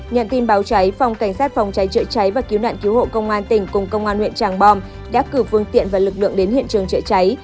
nhận tin báo cháy phòng cảnh sát phòng cháy chữa cháy và cứu nạn cứu hộ công an tỉnh cùng công an huyện tràng bom đã cử phương tiện và lực lượng đến hiện trường chữa cháy